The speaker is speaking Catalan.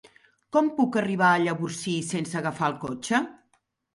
Com puc arribar a Llavorsí sense agafar el cotxe?